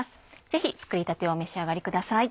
ぜひ作りたてをお召し上がりください。